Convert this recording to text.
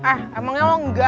eh emangnya lo enggak